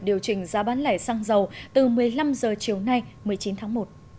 điều chỉnh giá bán lẻ xăng dầu từ một mươi năm h chiều nay một mươi chín tháng một